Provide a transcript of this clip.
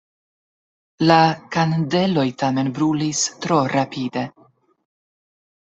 La kandeloj tamen brulis tro rapide.